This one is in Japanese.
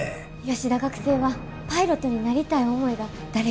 吉田学生はパイロットになりたい思いが誰よりも強くて。